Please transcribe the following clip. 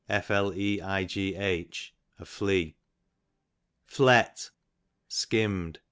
Fleigh, a flea. Flet, skimm'd.